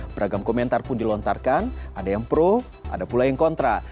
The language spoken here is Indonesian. beragam komentar pun dilontarkan ada yang pro ada pula yang kontra